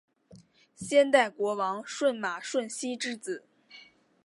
先代国王舜马顺熙之子。